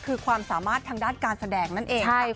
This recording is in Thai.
คือความสามารถทางด้านการแสดงนั่นเอง